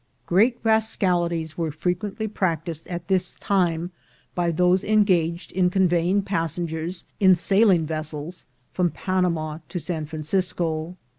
Great rascalities were frequently practised at this time by those engaged in conveying passengers, in sailing vessels, from Panama to San Francisco.